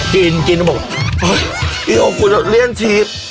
กินกินก็บอกเอ้ยอิโยคุณเลี่ยนชีส